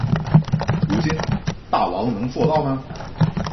如今大王能做到吗？